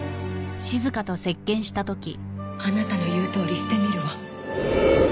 あなたの言うとおりしてみるわ。